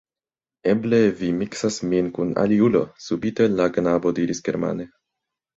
Eble vi miksas min kun aliulo, subite la knabo diris germane.